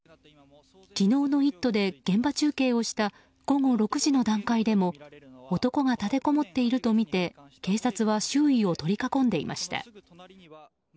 昨日の「イット！」で現場中継をした午後６時の段階でも男が立てこもっているとみて警察は周囲を取り囲んでいました。